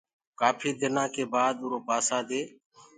ڪآڦي دنآ ڪي بآد اُرو پآسآ دي